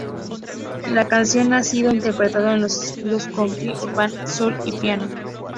La canción ha sido interpretada en los estilos country, urban, soul y piano.